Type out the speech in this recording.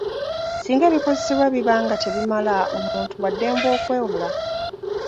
Singa ebikozesebwa biba nga tebimala, omuntu wa ddembe okwewola.